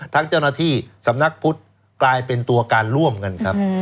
เจ้าหน้าที่สำนักพุทธกลายเป็นตัวการร่วมกันครับ